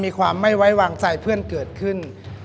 มีความไม่ไว้วางใจเพื่อนเกิดขึ้น